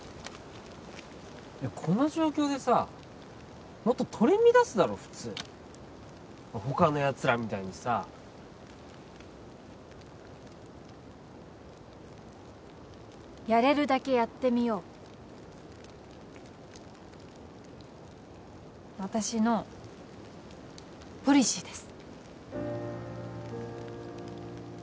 いやこの状況でさもっと取り乱すだろ普通他のやつらみたいにさやれるだけやってみよう私のポリシーです